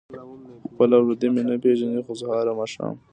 خپل او پردي مې نه پرېږدي خو سهار او ماښام.